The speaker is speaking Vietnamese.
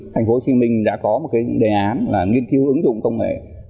thành phố hồ chí minh đã có một cái đề án là nghiên cứu ứng dụng công nghệ